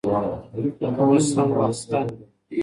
اوس هم وخت شته.